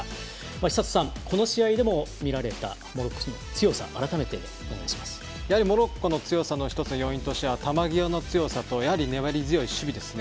寿人さん、この試合でも見られたモロッコの強さやはりモロッコの強さの一つの要因としては球際の強さとやはり粘り強い守備ですね。